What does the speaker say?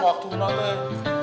waktu naon deh